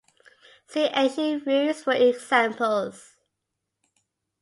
See Ancient Roofs for examples.